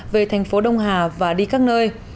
về thành phố đông hà và đi các nơi